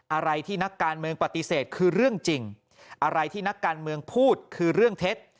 อะไรที่นักการเมืองปฏิเสธคือเรื่องจริงอะไรที่นักการเมืองพูดคือเรื่องเท็จ